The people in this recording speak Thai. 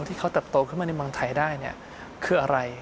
ที่เขาเติบโตขึ้นมาในเมืองไทยได้คืออะไร